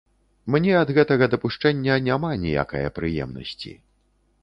Мне ад гэтага дапушчэння няма ніякае прыемнасці.